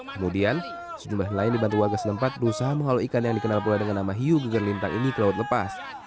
kemudian sejumlah nelayan dibantu warga setempat berusaha menghalau ikan yang dikenal pula dengan nama hiu guger lintang ini ke laut lepas